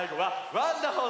ワンダホー！